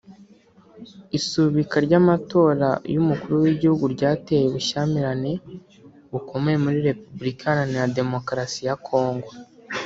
Isubika ry'amatora y'umukuru w'igihugu ryateye ubushyamirane bukomeye muri Repubulika Iharanira Demokarasi ya Congo